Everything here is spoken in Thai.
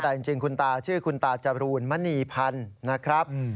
แต่จริงคุณตาชื่อคุณตาจรูนมณีพันธ์นะครับ